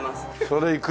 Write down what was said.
それいく。